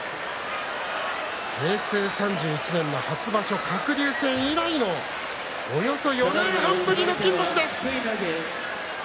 平成３１年初場所、鶴竜戦以来のおよそ４年半ぶりの金星です。